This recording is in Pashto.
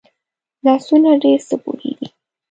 لاسونه ډېر څه پوهېږي